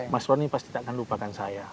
mas roni pasti takkan lupakan saya